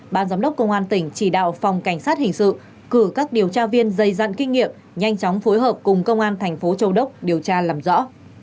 ban giám đốc công an tỉnh chỉ đạo phòng cảnh sát hình sự cử các điều tra viên dày dặn kinh nghiệm nhanh chóng phối hợp cùng công an thành phố châu đốc điều tra làm rõ